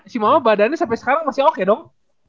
si mama badannya sampai sekarang masih oke dong